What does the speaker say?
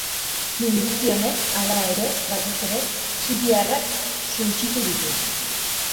Minbizi honek, hala ere, batez ere, siriarrak suntsitu ditu.